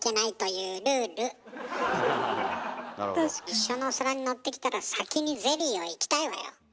一緒のお皿にのってきたら先にゼリーをいきたいわよ。